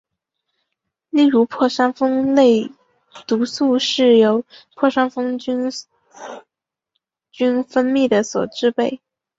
例如破伤风类毒素是由破伤风梭菌分泌的所制备。